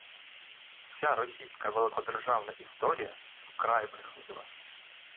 вся російська великодержавна історія – вкрай брехлива